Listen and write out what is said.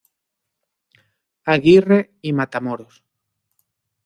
Aguirre y Matamoros.